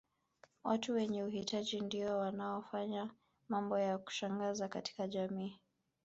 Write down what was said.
Watu wenye uhitaji ndio wanaofanya mambo ya kushangaza katika jamii